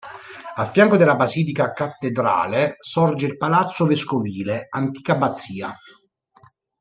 A fianco della Basilica Cattedrale sorge il Palazzo Vescovile, antica abbazia.